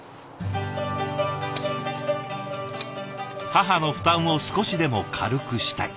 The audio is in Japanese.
母の負担を少しでも軽くしたい。